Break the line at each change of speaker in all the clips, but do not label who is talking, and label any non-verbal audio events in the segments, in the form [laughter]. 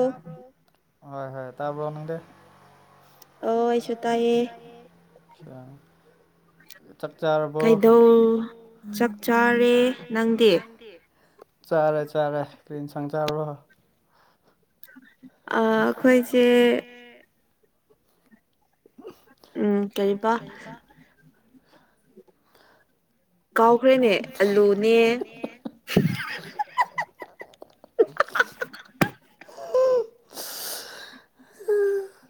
ꯇꯥꯕ꯭ꯔꯣ ꯍꯣꯏ ꯍꯣꯏ ꯇꯥꯕ꯭ꯔꯣ ꯅꯪꯗꯦ ꯑꯣ ꯑꯩꯁꯨ ꯇꯥꯏꯌꯦ [unintelligible] [inaudible] ꯆꯞ ꯆꯥꯔꯕꯣ [unintelligible] ꯆꯞ ꯆꯥꯔꯦ ꯅꯪꯗꯤ ꯆꯥꯔꯦ ꯆꯥꯔꯦ ꯀꯔꯤ ꯏꯟꯁꯪ ꯆꯥꯕ꯭ꯔꯣ
[unintelligible] [inaudible]
ꯑ ꯑꯩꯈꯣꯏꯁꯦ
ꯎꯝ ꯀꯩꯕ ꯀꯥꯎꯈ꯭ꯔꯦꯅꯦ ꯑꯂꯨꯅꯦ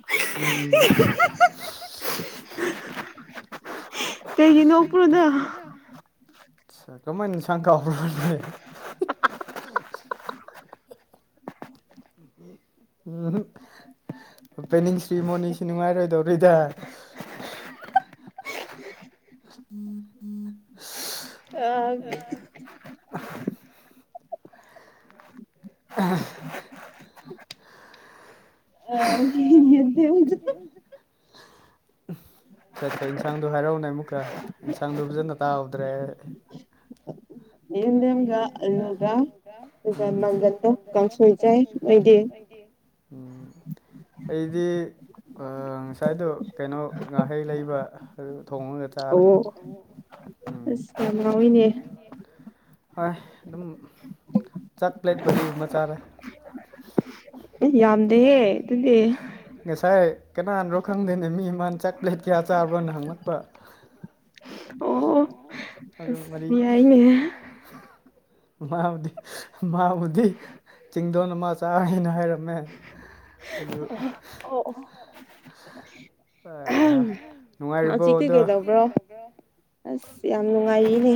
[unintelligible] ꯀꯩꯒꯤ ꯅꯣꯛꯄ꯭ꯔꯣ ꯅꯪ
ꯑꯆꯥ ꯀꯃꯥꯏꯅ ꯏꯟꯁꯥꯡ ꯀꯥꯎꯕ꯭ꯔꯣꯅꯦ ꯎꯝ ꯑꯣꯄꯦꯅꯤꯡ ꯁ꯭ꯔꯤꯃꯣꯅꯤꯁꯤ ꯅꯨꯡꯉꯥꯏꯔꯣꯏꯗꯧꯔꯤꯗ
ꯑ
[unintelligible]
[unintelligible]
[unintelligible] ꯑꯠꯁꯥꯁꯥ ꯌꯦꯟꯁꯥꯡꯗꯣ ꯍꯥꯏꯔꯛꯎꯅꯦ ꯑꯃꯨꯛꯀ ꯌꯦꯟꯁꯥꯡꯗꯣ ꯐꯖꯅ ꯇꯥꯍꯧꯗ꯭ꯔꯦ
ꯌꯦꯝꯗꯦꯝꯒ ꯑꯂꯨꯒ ꯑꯗꯨꯒ ꯃꯪꯒꯟꯗꯣ ꯀꯥꯡꯁꯣꯏ ꯆꯥꯏ ꯃꯣꯏꯗꯤ
ꯅꯣꯏꯗꯤ
[inaudible]
ꯑꯩꯗꯤ ꯉꯁꯥꯏꯗꯣ ꯀꯩꯅꯣ ꯉꯥꯍꯩ ꯂꯩꯕ ꯑꯗꯨ ꯊꯣꯡꯉꯒ ꯆꯥꯔꯦ ꯎꯝ ꯍꯣꯏ ꯑꯗꯨꯝ ꯆꯥꯛ ꯄ꯭ꯂꯦꯠ ꯃꯔꯤꯒꯨꯝꯕ ꯆꯥꯔꯦ
ꯑꯦ ꯌꯥꯝꯗꯦꯍꯦ ꯑꯗꯨꯗꯤ
ꯉꯁꯥꯏ ꯀꯅꯥꯅ꯭ꯔꯣ ꯈꯪꯗꯦꯅꯦ ꯃꯤ ꯑꯃꯥꯅ ꯆꯥꯛ ꯄ꯭ꯂꯦꯠ ꯀꯌꯥ ꯆꯥꯕ꯭ꯔꯣꯅ ꯍꯪꯪꯂꯛꯄ
ꯑꯣ ꯑꯣ ꯑꯁ ꯌꯥꯏꯅꯦ
ꯃꯥꯕꯨꯗꯤ ꯃꯥꯕꯨꯗꯤ ꯆꯤꯡꯗꯣꯟ ꯑꯃ ꯆꯥꯏꯅ ꯍꯥꯏꯔꯝꯃꯦ ꯑꯗꯨ
ꯑꯣꯑꯣ ꯑꯍꯝ ꯍꯧꯖꯤꯛꯇꯤ ꯀꯩꯗꯧꯕ꯭ꯔꯣ ꯑꯁ ꯌꯥꯝ ꯅꯨꯡꯉꯥꯏꯔꯤꯅꯦ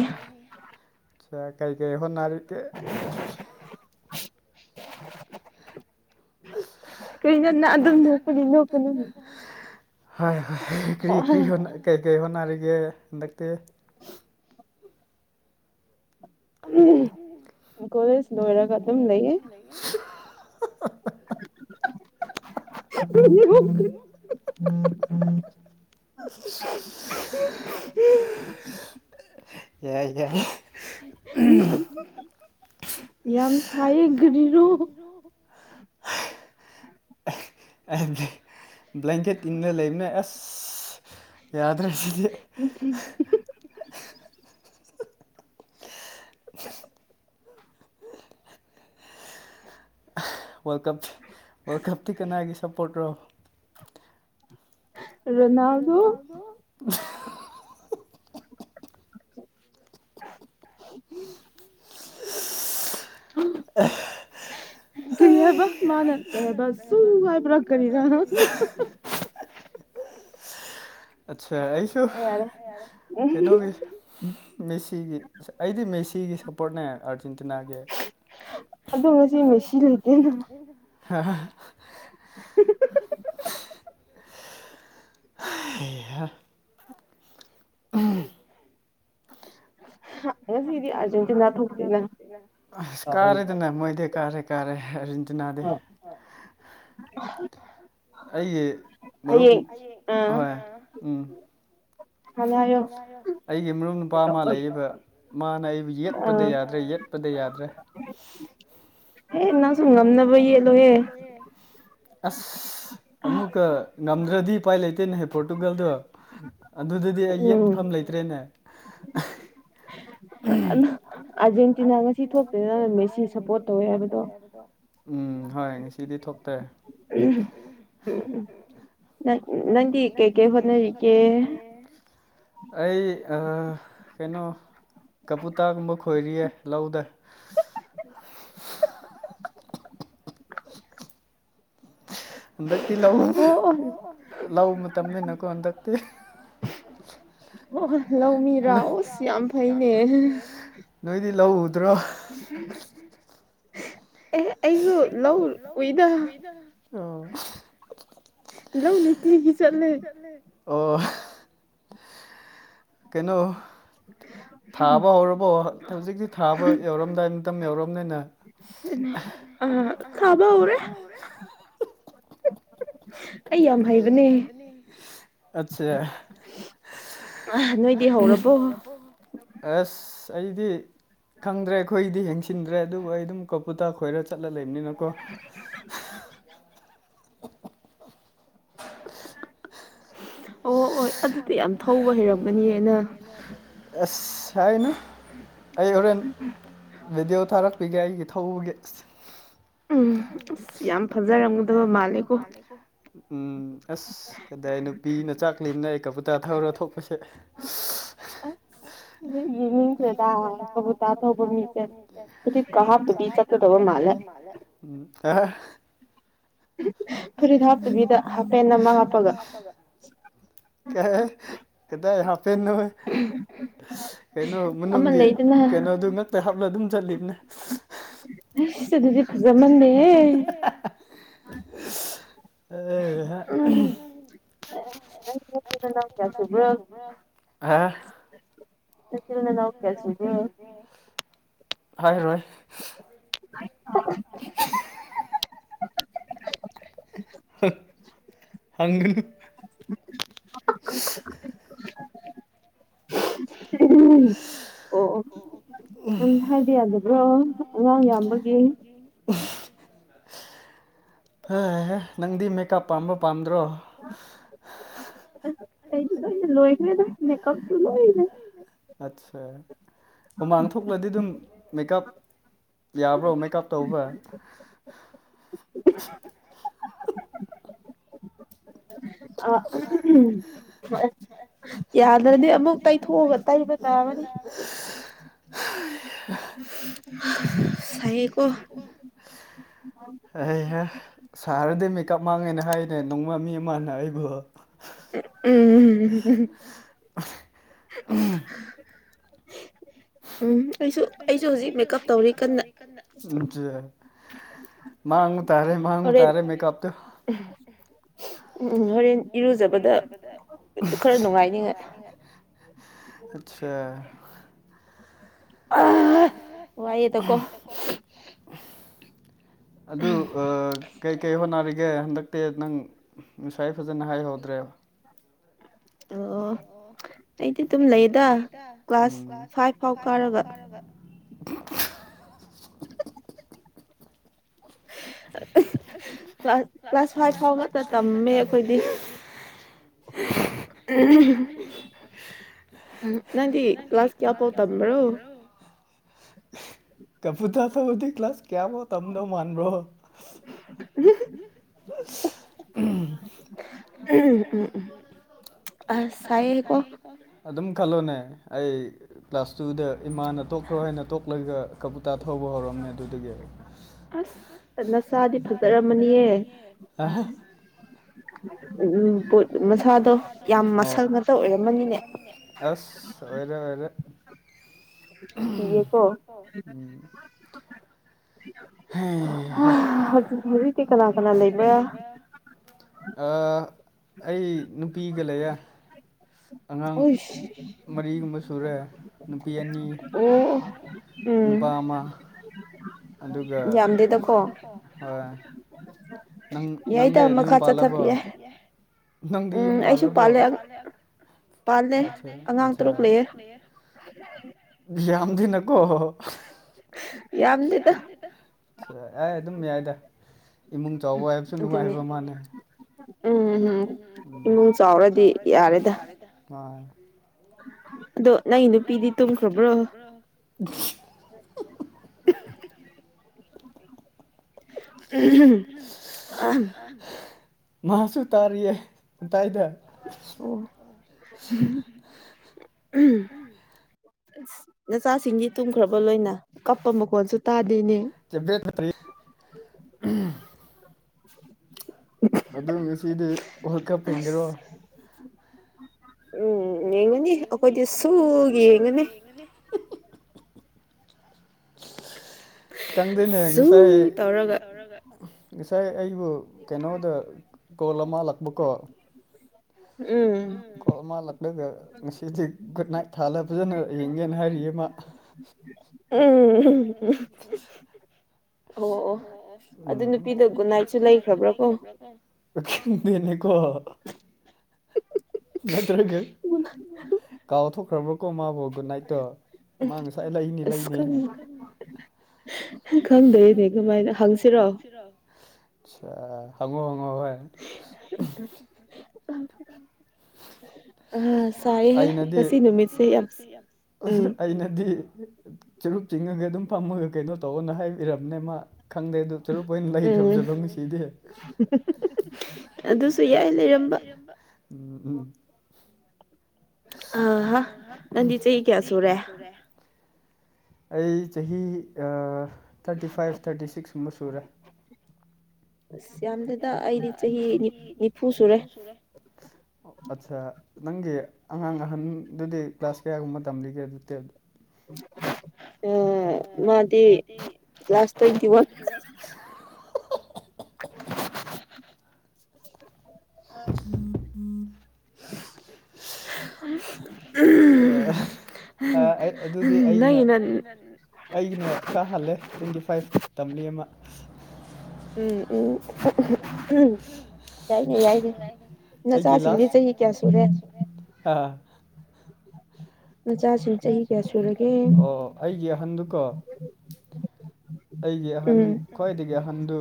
ꯆ ꯀꯩꯀꯩ ꯍꯣꯠꯅꯔꯤꯒꯦ
[inaudible] ꯀꯩꯅꯣꯅ ꯑꯗꯨꯝ ꯅꯣꯛꯄꯒꯤ
[unintelligible] ꯍꯣꯏ ꯍꯣꯏ ꯀ꯭ꯔꯤ ꯀ꯭ꯔꯤ ꯍꯣꯠꯅ ꯀꯩ ꯀꯩ ꯍꯣꯠꯅꯔꯤꯒꯦ ꯍꯟꯗꯛꯇꯤ
ꯀꯣꯂꯦꯖ ꯂꯣꯏꯔꯒ ꯑꯗꯨꯝ ꯂꯩꯌꯦ
[unintelligible]
[unintelligible] [unintelligible]
ꯌꯥꯏ ꯌꯥꯏ
[unintelligible] ꯌꯥꯝ ꯁꯥꯏꯌꯦ ꯒꯔꯤꯔꯣ
[unintelligible] ꯕ꯭ꯂꯦꯡꯀꯦꯠ ꯏꯟꯗꯅ ꯂꯩꯕꯅꯦ ꯑꯁ ꯌꯥꯗ꯭ꯔꯦ ꯁꯤꯗꯤ
[unintelligible]
ꯋꯥꯔꯜ ꯀꯞꯇ ꯋꯥꯔꯜ ꯀꯞꯇꯤ ꯀꯅꯥꯒꯤ ꯁꯞꯄꯣꯔꯠꯇ꯭ꯔꯣ ꯔꯣꯅꯥꯜꯗꯣ [unintelligible]
[inaudible]
[inaudible] [unintelligible]
ꯀꯔꯤ ꯍꯥꯏꯕ ꯃꯥꯅ ꯀꯩ ꯍꯥꯏꯕ ꯁꯨ ꯍꯥꯏꯕ꯭ꯔ ꯀꯔꯤꯔꯥ [unintelligible]
ꯑꯠꯁꯥ ꯑꯩꯁꯨ ꯀꯩꯅꯣꯒꯤ ꯃꯦꯁꯤꯒꯤ ꯑꯩꯗꯤ ꯃꯦꯁꯤꯒꯤ ꯁꯞꯄꯣꯔꯠꯅꯦ ꯑꯥꯔ ꯖ‌ꯦꯟꯇꯤꯅꯥꯒꯤ [unintelligible] ꯍꯥ [unintelligible] ꯍ‌ꯩꯍꯥ [unintelligible]
ꯍꯥ
[unintelligible] ꯀꯥꯔ‌ꯦꯗꯅ ꯃꯣꯏꯗꯤ ꯀꯥꯔꯦ ꯀꯥꯔꯦ ꯑꯔꯖ‌ꯦꯟ ꯇꯤꯅꯥꯗꯤ ꯑꯩ ꯃꯔꯨꯞ ꯍꯣꯏ ꯎꯝ ꯑꯩꯒꯤ ꯃꯔꯨꯞ ꯅꯨꯄꯥ ꯑꯃ ꯂꯩꯌ‌ꯦꯕ ꯃꯥꯅ ꯑꯩꯒꯤ ꯌꯦꯠꯄꯗ ꯌꯥꯗ꯭ꯔꯦ ꯌꯦꯠꯄꯗ ꯌꯥꯗ꯭ꯔꯦ
ꯑꯦ ꯅꯪꯁꯨꯨ ꯉꯝꯅꯕ ꯌꯦꯠꯂꯣꯍꯦ
ꯑꯁ ꯑꯃꯨꯛꯀ ꯉꯝꯗ꯭ꯔꯗꯤ ꯎꯄꯥꯏ ꯂꯩꯇꯦꯅ‌ꯦꯍꯦ ꯄꯣꯔꯇꯨꯒꯜꯗꯣ ꯑꯗꯨꯗꯤ ꯌꯦꯠꯐꯝ ꯂꯩꯇ꯭ꯔꯦꯅꯦ
[unintelligible]
ꯑꯥꯔꯖꯦꯟꯇꯤꯅꯥ ꯉꯁꯤ ꯊꯣꯛꯇ‌ꯣꯔ ꯃ‌ꯦꯁꯤ ꯁꯞꯄꯣꯔꯠ ꯇꯧꯋꯦ ꯍꯥꯏꯕꯗꯣ ꯎꯝ ꯍꯣꯏ ꯉꯁꯤꯗꯤ ꯊꯣꯛꯇ‌ꯦ
ꯎꯝ ꯅꯪꯗꯤꯀꯩ ꯀꯩ ꯍꯣꯠꯅꯔꯤꯒ‌ꯦ
ꯑꯩ ꯑꯥ ꯀꯩꯅꯣ ꯀꯄꯨꯇꯥꯒꯨꯝꯕ ꯈꯣꯏꯔꯤꯌꯦ ꯂꯧꯗ ꯍꯟꯗꯛꯇꯤ ꯂꯧ ꯎꯕ ꯂꯧ ꯃꯇꯝꯅꯤꯅꯀꯣ ꯍꯟꯗꯛꯇꯤ ꯌꯥꯝ ꯐꯩꯅ‌ꯦ ꯅꯣꯏꯗꯤ ꯂꯧ ꯎꯗ꯭ꯔꯣ
ꯑꯩꯁꯨ
[unintelligible]
ꯂꯧ ꯅꯨꯇꯤꯒꯤ ꯆꯠꯂ‌ꯦ
ꯑꯣ ꯀꯩꯅꯣ ꯊꯥꯕ ꯍꯧꯔꯕꯣ ꯍꯧꯖꯤꯛꯇꯤ ꯊꯥꯕ ꯌꯧꯔꯝꯗꯥꯏ ꯃꯇꯝ ꯃꯇꯝ ꯌꯧꯔꯕꯅꯤꯅ
ꯊꯥꯕ ꯍꯧꯔ‌ꯦ ꯑꯩ ꯌꯥꯝ ꯍꯩꯕꯅꯦ ꯑ ꯅꯣꯏꯗꯤ ꯍꯧꯔꯕꯣ
ꯑꯁ ꯑꯩꯗꯤ ꯈꯪꯗ꯭ꯔꯦ ꯑꯩꯈꯣꯏꯗꯤ ꯌꯦꯡꯁꯤꯟꯗ꯭ꯔꯦ ꯑꯗꯨꯕꯨ ꯑꯩ ꯑꯗꯨꯝ ꯀꯝꯄꯨꯇꯥ ꯈꯣꯏꯔ ꯆꯠꯂ ꯂꯩꯕꯅꯤꯅꯀꯣ
ꯑꯣ ꯑꯣ ꯑꯗꯨꯗꯤ ꯌꯥꯝ ꯊꯧꯕ ꯍꯩꯔꯝꯒꯅꯤ ꯅꯪ
ꯑꯁ ꯍꯥꯔꯨꯅꯨ ꯑꯩ ꯍꯣꯔꯦꯟ ꯚꯤꯗꯤꯑꯣ ꯊꯥꯔꯛꯄꯤꯒꯦ ꯑꯩꯒꯤ ꯊꯧꯕꯒꯦ
ꯎꯝ ꯌꯥꯝ ꯐꯖꯔꯝꯒꯗꯕ ꯃꯥꯜꯂꯦꯀꯣ
ꯎꯝ ꯑꯁ ꯀꯗꯥꯏ ꯅꯨꯄꯤꯅ ꯆꯥꯛꯂꯤꯝꯅ‌ꯦ ꯑꯩ ꯀꯕꯨꯇꯥ ꯊꯧꯔ ꯊꯣꯛꯄꯁꯦ
ꯑꯁ ꯌ‌ꯦꯡꯅꯤꯡꯈ꯭ꯔ‌ꯦꯗ ꯀꯥꯕꯨꯗꯤ ꯊꯧꯕ ꯃꯤꯁ‌ꯦ [unintelligible]
[unintelligible] ꯐꯨꯔꯤꯠ ꯍꯥꯞꯇꯕꯤꯗ ꯍꯥꯄꯦꯟ ꯑꯃ ꯍꯥꯞꯄꯒ ꯀ ꯀꯗꯥꯏ ꯍꯥꯄꯦꯟꯅ‌ꯣꯍ‌ꯦ ꯀꯩꯅꯣ ꯃꯅꯨꯡꯒꯤ ꯀꯩꯅꯣꯗꯨ ꯉꯛꯇ ꯍꯥꯞꯂ ꯑꯗꯨꯝ ꯆꯠꯂꯤꯕꯅꯦ
ꯑꯁ ꯑꯗꯨꯗꯤ ꯐꯖ ꯃꯟꯗ‌ꯦꯍ‌ꯦ ꯎꯝ
ꯅꯆꯤꯟ ꯅꯅꯥꯎ ꯀꯌꯥ ꯁꯨꯕꯔꯣ ꯍꯥꯏꯔꯣꯏ [unintelligible]
[unintelligible] ꯎꯝ ꯍꯥꯏꯗꯤ ꯌꯥꯗꯕ꯭ꯔꯣ ꯑꯉꯥꯡ ꯌꯥꯝꯕꯒꯤ
ꯍꯍ ꯅꯪꯗꯤ ꯃꯦꯀꯞ ꯄꯥꯝꯕ ꯄꯥꯝꯗ꯭ꯔꯣ
ꯑꯁ ꯑꯩꯗꯤ ꯂꯣꯏꯅ ꯂꯣꯏꯈ꯭ꯔꯦꯗ
ꯑꯠꯆꯥ ꯍꯨꯃꯥꯡ ꯊꯣꯛ ꯊꯣꯛꯂꯗꯤ ꯑꯗꯨꯝ ꯃꯦꯀꯞ ꯌꯥꯕ꯭ꯔꯣ ꯃꯦꯀꯞ ꯇꯧꯕ꯭ꯔꯥ
ꯑ ꯌꯥꯗ꯭ꯔꯅꯤ ꯑꯃꯨꯛ ꯇꯩꯊꯣꯛꯑꯒ ꯇꯩꯕ ꯇꯥꯕꯅꯤ
[inaudible]
ꯁꯥꯌꯦ ꯀꯣ
ꯑꯩꯍ ꯁꯥꯔꯗꯤ ꯃꯦꯀꯞ ꯃꯥꯡꯉꯦꯅ ꯍꯥꯏꯅꯦ ꯅꯣꯡꯃ ꯃꯤ ꯑꯃꯅ ꯑꯩꯕꯨ [inaudible]
ꯎꯝꯝ
ꯎꯝ
[inaudible] ꯑꯩꯁꯨ ꯑꯩꯁꯨ ꯍꯧꯖꯤꯛ ꯃꯦꯀꯞ ꯇꯧꯔꯤ
ꯃꯥ ꯎꯇꯥꯔꯦ ꯃꯥꯥꯡ ꯎꯇꯥꯔꯦ ꯃꯦꯀꯞ
ꯎꯝꯣꯔꯦꯟ
ꯕ ꯑ
ꯋꯥꯌꯦ ꯇ ꯀꯣ
ꯑꯗꯨ ꯀꯩꯀꯩ ꯍꯣꯠꯅꯔꯤꯒꯦ ꯍꯟꯗꯛ ꯅꯠꯇꯦ ꯅꯪ ꯉꯁꯥꯏ ꯐꯖꯅ ꯍꯥꯏꯍꯧꯗ꯭ꯔꯦꯕ
ꯑꯣ
ꯑꯩꯗꯤ ꯑꯗꯨꯝ ꯂꯩꯗ ꯀ꯭ꯂꯥꯁ ꯐꯥꯏꯚ ꯐꯥꯎ ꯀꯥꯒ
[inaudible] ꯀ꯭ꯂ ꯀ꯭ꯂꯥꯁ ꯐꯥꯏꯚ ꯐꯥꯎ ꯉꯇ ꯇꯝꯃꯦ ꯑꯩꯈꯣꯏꯗꯤ ꯑ ꯅꯪꯗꯤ ꯀ ꯀ꯭ꯂ꯭ꯂꯥꯁ ꯀꯌꯥꯎꯞꯥꯎꯇꯥꯥꯟ꯭ꯔꯣ
ꯀꯄꯨꯇꯔ ꯊꯕꯨꯗꯤ ꯀ ꯀ꯭ꯂꯥꯁ ꯀꯌꯥꯃꯣ ꯇꯝꯅꯣ ꯃꯥꯥꯟꯕꯣ ꯆꯁ
ꯎꯝ ꯎꯝ ꯎꯝ ꯑ ꯆꯥꯏꯀꯣ
ꯑꯗꯨꯝ ꯈꯜꯂꯣꯅꯦ ꯑꯩ ꯀ꯭ꯂꯥꯁ ꯇꯨꯗ ꯏꯃꯥꯅ ꯇꯣꯛꯈ꯭ꯔꯣ ꯍꯥꯏꯅ ꯇꯣꯛꯂꯒ ꯀꯕꯨꯨꯇꯥ ꯊꯧꯕ ꯍꯧꯔꯝꯃꯦ ꯑꯗꯨꯗꯒꯤ ꯅꯆꯥꯥꯗꯤ ꯐꯨꯖꯔꯝꯃꯅꯤꯌꯦ
ꯎꯝ ꯄꯣꯠ ꯃꯁꯥꯗꯣ ꯌꯥꯝ ꯃꯁꯛ ꯉꯥꯛꯇ ꯑꯣꯏꯔꯝꯃꯅꯤꯅꯦ
ꯑꯁ ꯑꯣꯏꯔꯦ ꯑꯣꯏꯔꯦ
ꯏꯀꯣ ꯍꯧꯖꯤ ꯍꯧꯗꯤ ꯀꯅꯥ ꯀꯅꯥ ꯂꯩ ꯂ
ꯑꯩ ꯅꯨꯄꯤꯒ ꯂꯩꯔꯦ ꯑꯉꯥꯡ ꯃꯔꯤꯒꯨꯝꯕ ꯁꯨꯔꯦ ꯅꯨꯄꯤ ꯑꯅꯤ ꯅꯨꯄꯥ ꯑꯃ ꯑꯗꯨꯒ ꯍꯣꯏ ꯅꯪ ꯅꯪꯗꯤ ꯌꯨꯝ ꯄꯥꯜꯂꯕꯣ ꯅꯪꯗꯤ ꯌꯨꯝ ꯄꯥꯜꯂꯕꯣ ꯑ ꯌꯥꯝꯌꯥꯝꯗꯅꯀꯣ ꯗ ꯑꯗꯨꯝ ꯌꯥꯌꯥꯏꯗ ꯏꯃꯨꯡ ꯆꯥꯎꯕ ꯍꯥꯏꯕꯁꯨ ꯅꯨꯡꯉꯥꯏꯕ ꯃꯥꯜꯅꯦ ꯎꯝ ꯎꯝ ꯎꯝ ꯏꯃꯨꯡ ꯆꯥꯎꯔꯗꯤ ꯌꯥꯔꯦꯗ
ꯑꯗꯣ ꯅꯪ ꯅꯨꯄꯤꯗꯤ ꯇꯨꯝꯈ꯭ꯔꯕ꯭ꯔꯣ
[inaudible]
[inaudible]
ꯃꯥꯁꯨ ꯇꯥꯔꯤꯌꯦ ꯇꯥꯏꯗ
ꯑꯣ ꯅꯆꯥꯁꯤꯡꯒꯤ ꯇꯨꯝꯈ꯭ꯔꯕ ꯂꯣꯏꯅ ꯀꯞꯄ ꯃꯈꯣꯟꯜꯁꯨ ꯇꯥꯗꯦꯅꯦ
ꯆꯕꯦ ꯇꯔꯤ
[inaudible]
ꯑꯗꯨ ꯃꯤꯁꯤꯗꯤ ꯑꯣꯜ ꯀꯞ ꯐꯤꯡꯒꯔꯣ
ꯎꯝ ꯌꯦꯡꯒꯅꯤ ꯑꯩꯈꯣꯏꯗꯤ ꯁꯨꯒ ꯌꯦꯡꯒꯅꯤ
ꯀꯟꯅꯦꯁꯥꯏ ꯉꯁꯥꯏ ꯑꯩꯕꯨ ꯀꯩꯅꯣꯗ ꯀꯣꯜ ꯑꯃꯂꯥꯛꯄꯀꯣ
ꯎꯝ
ꯀꯣꯜ ꯃꯥꯜꯂꯛꯂꯒ ꯉꯁꯤꯗꯤ ꯒꯨꯗ ꯅꯥꯏꯠ ꯊꯥꯜꯂ ꯐꯖꯅ ꯌꯦꯡꯒꯦꯅ ꯍꯥꯏꯔꯤ ꯑꯃ
ꯎꯝ ꯎꯝ ꯎꯝ ꯑꯣ ꯑꯣ
ꯎꯝꯅꯦꯀꯣ [inaudible] ꯅꯠꯇ꯭ꯔꯒ ꯀꯥꯎꯊꯣꯛꯈ꯭ꯔꯥꯕ꯭ꯔ ꯀꯣ ꯃꯕ ꯨ ꯀꯨꯠ ꯅꯥꯢꯠ ꯇꯣ ꯃꯥ ꯉꯁꯥꯏ ꯂꯩꯅꯤ ꯂꯩꯅꯤ
ꯈꯪꯗꯣꯏꯅꯦ ꯀꯃꯥꯏꯅ ꯍꯪꯁꯤꯔꯣ
ꯍꯪꯁꯤꯔꯣ ꯑꯆꯥ ꯍꯪꯉꯣ ꯍꯪꯉꯣ ꯍꯣꯏ ꯑꯩꯅꯗꯤ ꯑꯩꯅꯗꯤ ꯆꯨꯔꯨꯞ ꯆꯤꯡꯉꯒ ꯑꯗꯨꯝ ꯐꯝꯃꯒ ꯀꯩꯅꯣ ꯇꯧꯅ ꯍꯥꯏꯕꯤꯔꯕꯅꯦ ꯃꯥ ꯈꯪꯗꯦ ꯑꯗꯨ ꯆꯨꯔꯨꯞ ꯑꯣꯏꯅ ꯂꯩꯈ꯭ꯔꯕꯁꯆꯠꯔꯣ ꯉꯥꯁꯥꯗꯤ ꯑꯗꯨꯁꯨ ꯌꯥꯏ ꯂꯩꯔꯛꯄ ꯎꯝ ꯑ ꯅꯪꯗꯤ ꯆꯍꯤ ꯀꯌꯥ ꯁꯨꯔꯦ ꯑꯩ ꯆꯍꯤ ꯊꯥꯔꯇꯤ ꯐꯥꯏꯚ ꯊꯥꯔꯇꯤ ꯁꯤꯛꯁꯀꯨꯝꯕ ꯁꯨꯔꯦ
ꯑꯁ ꯌꯥꯝꯗꯦꯗ ꯑꯩꯗꯤ ꯆꯍꯤ ꯅꯤꯐꯨ ꯁꯨꯔꯦ
ꯑꯠꯆꯥ ꯅꯪꯒꯤ ꯑꯉꯥꯡ ꯑꯍꯟꯗꯨꯗꯤ ꯀ꯭ꯂꯥꯁ ꯀꯌꯥꯒꯨꯝꯕ ꯇꯝꯂꯤꯒꯦ ꯑꯗꯨꯗꯦ
ꯑ ꯃꯥꯗꯤ ꯀ꯭ꯂꯥꯁ ꯇꯨꯋꯤꯇꯤꯋꯥꯜ
[inaudible] ꯎꯝ ꯎꯝ [inaudible]
[inaudible]
ꯑꯗꯨꯗꯤ ꯑꯩꯒꯤꯅ ꯑꯩꯒꯤꯩꯅ ꯈꯔ ꯍꯜꯂꯦ ꯇ꯭ꯋꯦꯟꯇꯤ ꯐꯥꯏꯚ ꯇꯝꯂꯤ ꯃꯥ
ꯎꯝ ꯎꯝ ꯎꯝ ꯌꯥꯏꯅꯦ ꯌꯥꯏꯅꯦ ꯅꯆꯥꯁꯤꯡꯗꯤ ꯆꯍꯤ ꯀꯌꯥ ꯁꯨꯔꯦ
ꯑꯣ ꯑꯩꯒꯤ ꯑꯍꯟꯗꯨꯀꯣ ꯑꯩꯒꯤ ꯑꯍꯟ ꯈ꯭ꯋꯥꯏꯗꯒꯤ ꯑꯍꯟꯗꯨ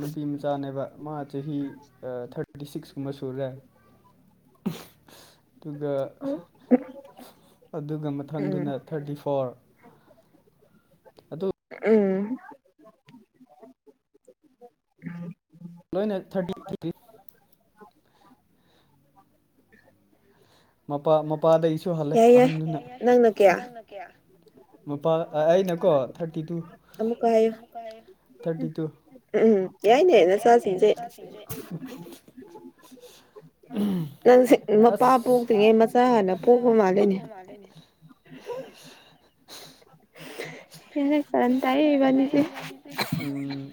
ꯅꯨꯄꯤ ꯃꯆꯥꯅꯦꯕ ꯃꯥ ꯆꯍꯤ ꯊꯔ ꯊꯥꯔꯇꯤ ꯁꯤꯛꯁꯀꯨꯝꯕ ꯁꯨꯔꯦ ꯑꯗꯨꯒ ꯑꯗꯨꯒ ꯃꯊꯪꯗꯨꯅ ꯊꯥꯔꯇꯤ ꯐꯣꯔ ꯑꯗꯨ
ꯎꯝ
ꯂꯣꯏꯅ ꯊꯥꯔꯇꯤ ꯊ꯭ꯔꯤ ꯃꯄꯥ ꯃꯄꯥꯗꯒꯤꯁꯨ ꯍꯜꯂꯦ ꯑꯍꯟꯗꯨꯅ ꯃꯄꯥ ꯑꯩꯅꯀꯣ ꯊꯥꯔꯇꯤ ꯇꯨ ꯊꯥꯔꯇꯤ ꯇꯨ
ꯌꯥꯏꯅꯦ ꯅꯆꯥꯁꯤꯡꯁꯦ
[inaudible]
ꯅꯪꯁꯦ ꯃꯄꯥꯄꯨ
ꯄꯥ ꯄꯣꯛꯇ꯭ꯔꯤꯉꯩ ꯃꯆꯥ ꯍꯥꯟꯅ ꯄꯣꯛꯄ ꯃꯥꯜꯂꯣꯏꯅꯤ [inaudible]
ꯌꯥꯔꯦꯀꯔꯥꯟ ꯇꯥꯏꯌꯦ ꯢꯕꯥꯅꯤꯁꯦ
ꯎꯝ